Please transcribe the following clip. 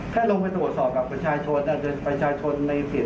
ถ้าลงไปตรวจสอบกับประชาชน์ชน่ะประชาชนในติศิลปะ